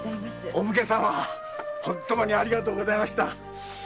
お武家様本当にありがとうございました。